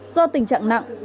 do tình trạng nặng